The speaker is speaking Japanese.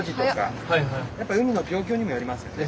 やっぱ海の状況にもよりますよね。